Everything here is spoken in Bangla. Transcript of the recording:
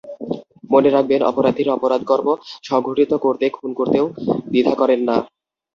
মনে রাখবেন, অপরাধীরা অপরাধকর্ম সংঘটিত করতে খুন করতেও দ্বিধা করেন না।